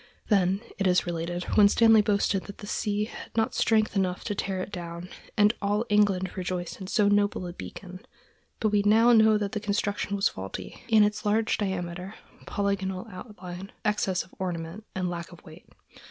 Then, it is related, Winstanley boasted that the sea had not strength enough to tear it down, and all England rejoiced in so noble a beacon; but we now know that the construction was faulty, in its large diameter, polygonal outline, excess of ornament, and lack of weight.